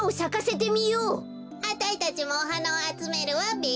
あたいたちもおはなをあつめるわべ。